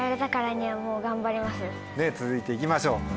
続いていきましょう。